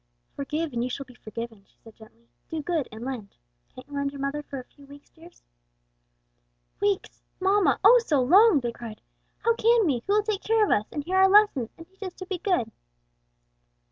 "'Forgive, and you shall be forgiven,'" she said gently. "'Do good and lend.' Can't you lend your mother for a few weeks, dears?" "Weeks, mamma! oh, so long!" they cried. "How can we? who will take care of us, and hear our lessons and teach us to be good?"